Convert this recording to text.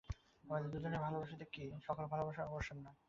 আমাদের দুজনার ভালোবাসাতেই কি সকল ভালোবাসার অবসান নয়।